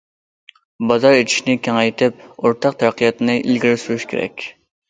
بازار ئېچىشنى كېڭەيتىپ، ئورتاق تەرەققىياتنى ئىلگىرى سۈرۈش كېرەك.